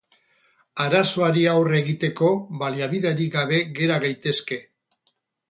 Arazoari aurre egiteko baliabiderik gabe gera gaitezke.